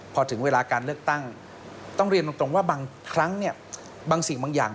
พอถึงเวลาการเลือกตั้งต้องเรียนตรงว่าบางครั้งเนี่ยบางสิ่งบางอย่าง